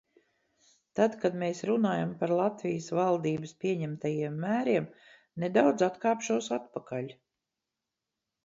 Tad, kad mēs runājam par Latvijas valdības pieņemtajiem mēriem, nedaudz atkāpšos atpakaļ.